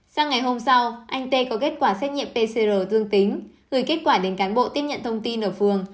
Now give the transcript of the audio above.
sang ngày hôm sau anh tê có kết quả xét nghiệm pcr dương tính gửi kết quả đến cán bộ tiếp nhận thông tin ở phường